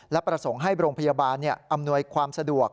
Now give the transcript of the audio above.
และประสงค์ให้โรงพยาบาลอำนวยความสะดวก